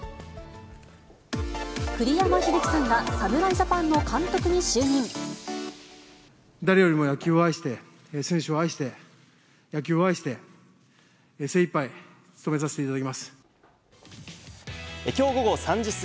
栗山英樹さんが侍ジャパンの誰よりも野球を愛して、選手を愛して、野球を愛して、精いっぱい務めさせていただきます。